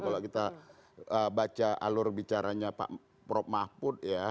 kalau kita baca alur bicaranya pak prof mahfud ya